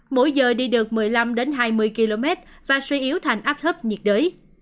mỗi giờ đi được một mươi năm hai mươi km và suy yếu thành áp thấp nhiệt đới